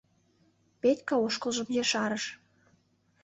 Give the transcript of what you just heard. Петька ошкылжым ешарыш.